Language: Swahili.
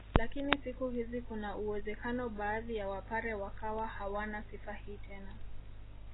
Lakini siku hizi kuna uwezekano baadhi ya wapare wakawa hawana sifa hii tena